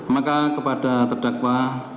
maka kepada terdakwa